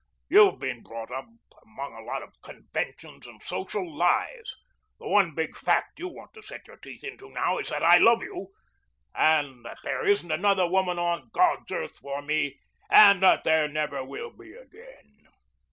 You've been brought up among a lot of conventions and social lies. The one big fact you want to set your teeth into now is that I love you, that there isn't another woman on God's earth for me, and that there never will be again."